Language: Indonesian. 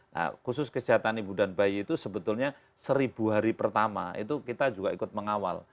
nah khusus kesehatan ibu dan bayi itu sebetulnya seribu hari pertama itu kita juga ikut mengawal